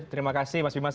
terima kasih mas bima